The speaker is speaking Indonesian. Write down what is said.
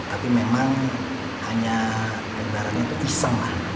tapi memang hanya menggarakannya itu isang lah